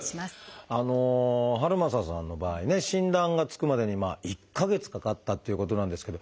遥政さんの場合ね診断がつくまでに１か月かかったっていうことなんですけど